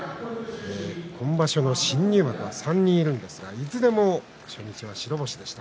今場所、新入幕３人いますがいずれも初日白星でした。